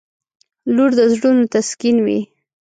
• لور د زړونو تسکین وي.